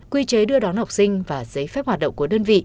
quy chế đưa đón học sinh và giấy phép hoạt động của đơn vị